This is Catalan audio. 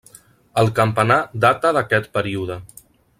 El campanar data d'aquest període.